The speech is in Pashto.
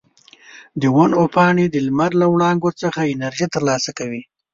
د ونو پاڼې د لمر له وړانګو څخه انرژي ترلاسه کوي.